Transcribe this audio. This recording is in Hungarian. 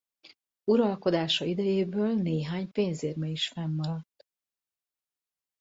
Uralkodása idejéből néhány pénzérme is fennmaradt.